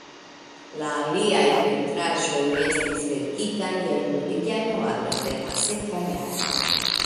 La aliaj pentraĵoj estis verkitaj en januaro de la sekva jaro.